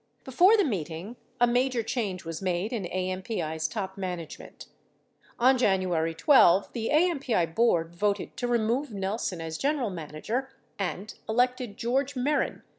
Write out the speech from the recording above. Before the meeting, a major change was made in AMPI's top man agement. On January 12, the AMPI board voted to remove Nelson as general manager and elected George Mehren.